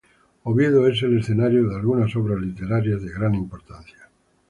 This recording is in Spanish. Oviedo es el escenario de algunas obras literarias de gran importancia.